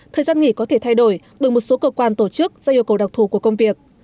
thời gian nghỉ có thể thay đổi bằng một số cơ quan tổ chức do yêu cầu đặc thù của công việc